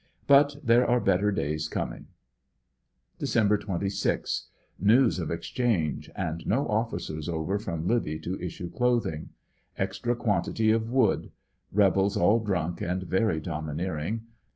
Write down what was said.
But there are better days coming. Dec. 26 — News of exchange and no oflSicers over from Libby to issue clothing. Extra quantity of wood. Rebels all drunk and very domineering.